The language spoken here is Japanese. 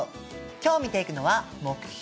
今日見ていくのは目標